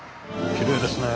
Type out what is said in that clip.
きれいですね。